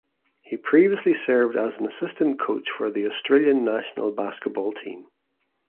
He previously served as an assistant coach for the Australian national basketball team.